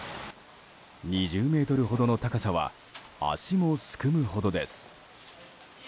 ２０ｍほどの高さは足もすくむほどです。